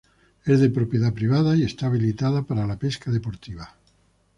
Es de propiedad privada y está habilitada para la pesca deportiva.